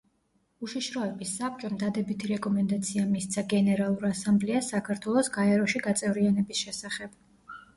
უშიშროების საბჭომ დადებითი რეკომენდაცია მისცა გენერალურ ასამბლეას საქართველოს გაეროში გაწევრიანების შესახებ.